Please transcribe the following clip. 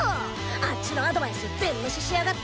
あッチのアドバイス全ムシしやがって！